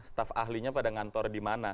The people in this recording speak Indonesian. staff ahlinya pada kantor di mana